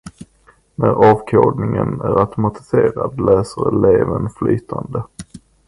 När avkodningen är automatiserad läser eleven flytande.